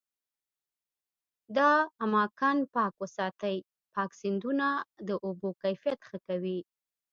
دا اماکن پاک وساتي، پاک سیندونه د اوبو کیفیت ښه کوي.